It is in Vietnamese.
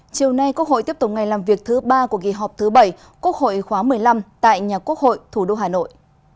chiều nay quốc hội tiếp tục ngày làm việc thứ ba của kỳ họp thứ bảy quốc hội khóa một mươi năm tại nhà quốc hội thủ đô hà nội